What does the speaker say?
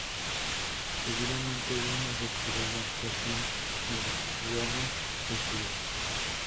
Seguidamente hubo una recordada actuación en el Reading Festival.